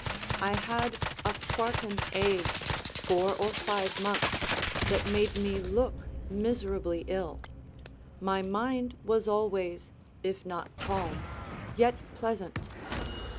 I had a quartan ague four or five months, that made me look miserably ill; my mind was always, if not calm, yet pleasant.